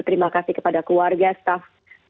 terima kasih kepada keluarga staff